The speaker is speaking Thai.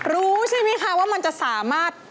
รู้ใช่ไหมคะว่ามันจะสามารถ